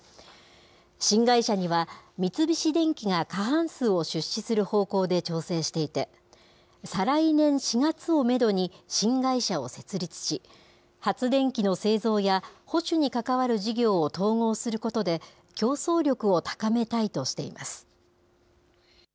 新会社には、三菱電機が過半数を出資する方向で調整していて、再来年４月をメドに、新会社を設立し、発電機の製造や保守に関わる事業を統合することで、競争力を高め次です。